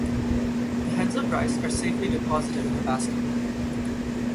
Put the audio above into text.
The heads of rice are safely deposited in the basket.